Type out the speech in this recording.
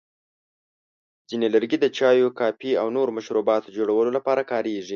ځینې لرګي د چایو، کافي، او نورو مشروباتو جوړولو لپاره کارېږي.